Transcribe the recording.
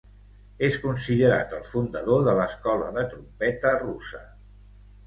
És considerat el fundador de l'escola de trompeta russa.